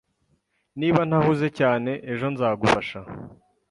Niba ntahuze cyane, ejo nzagufasha.